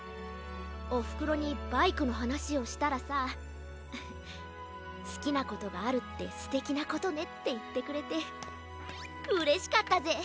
おふくろにバイクのはなしをしたらさ「すきなことがあるってすてきなことね」っていってくれてうれしかったぜ。